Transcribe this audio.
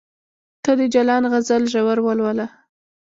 ته د جلان غزل ژور ولوله